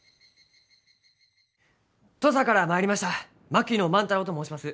土佐から参りました槙野万太郎と申します。